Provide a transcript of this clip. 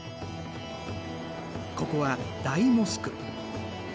ここは大モスク。